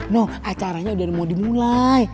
loh acaranya udah mau dimulai